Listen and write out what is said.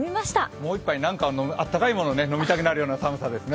もう一杯、なんか温かいものを飲みたくなるような寒さですね。